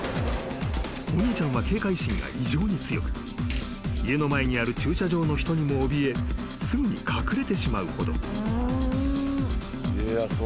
［お兄ちゃんは警戒心が異常に強く家の前にある駐車場の人にもおびえすぐに隠れてしまうほど］